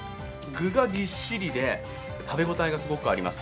具がぎっしりで、食べ応えがすごくあります。